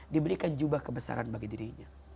diberikan jubah kebesaran bagi dirinya